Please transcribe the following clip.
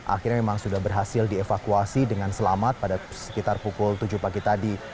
akhirnya memang sudah berhasil dievakuasi dengan selamat pada sekitar pukul tujuh pagi tadi